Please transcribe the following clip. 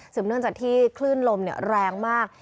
สืบเนื่องจากที่คลื่นลมเนี่ยแรงมาก